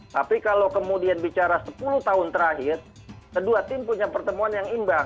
tapi kalau kemudian bicara sepuluh tahun terakhir kedua tim punya pertemuan yang imbang